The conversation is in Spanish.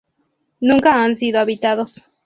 Nunca han sido habitados.